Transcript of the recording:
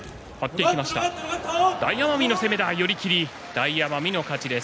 大奄美の勝ちです。